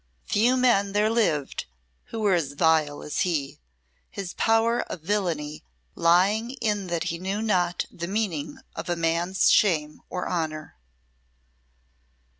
Few men there lived who were as vile as he, his power of villainy lying in that he knew not the meaning of man's shame or honour.